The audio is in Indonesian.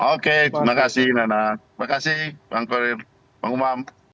oke terima kasih nana terima kasih bang korim bang umam